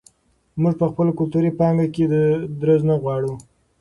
موږ په خپله کلتوري پانګه کې درز نه غواړو.